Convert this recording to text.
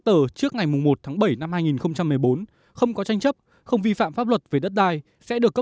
tờ trước ngày một tháng bảy năm hai nghìn một mươi bốn không có tranh chấp không vi phạm pháp luật về đất đai sẽ được cấp